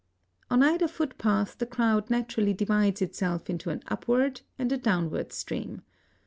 On either footpath the crowd naturally divides itself into an upward and a downward stream.